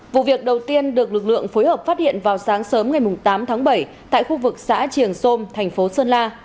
vụ việc đầu tiên được lực lượng phối hợp phát hiện vào sáng sớm ngày tám tháng bảy tại khu vực xã triềng sôm thành phố sơn la